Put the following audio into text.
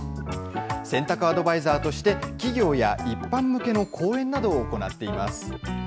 洗濯アドバイザーとして、企業や一般向けの講演などを行っています。